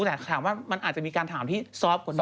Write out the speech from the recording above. จุดแรกขอถามว่ามันอาจจะมีการถามที่ซอสต์กว่านึง